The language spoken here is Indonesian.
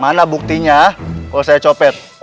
mana buktinya kalau saya copet